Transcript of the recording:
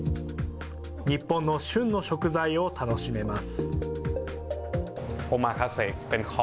日本の旬の食材を楽しめます。